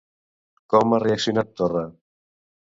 Com ha reaccionat Torra?